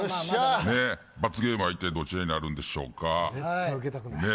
罰ゲームはいったいどちらになるんでしょうか。